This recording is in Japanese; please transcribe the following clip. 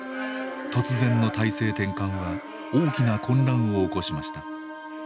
突然の体制転換は大きな混乱を起こしました。